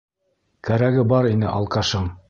Кәрәге бар ине алкашың!